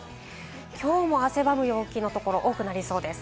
今日も汗ばむ陽気のところ、多くなりそうです。